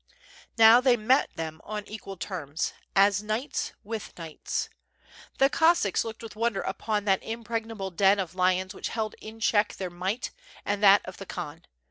Now they met them on equal terms, as knights with knights. The Cossacks looked with wonder upon that impregnable den of lions which held in check their might and that of the Khan.